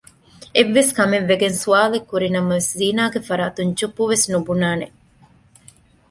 އެއްވެސް ކަމެއްވެގެން ސްވާލެއްކުރިނަމަވެސް ޒީނާގެ ފަރާތުން ޗުއްޕުވެސް ނުބުނާނެ